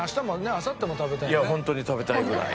いやホントに食べたいぐらい。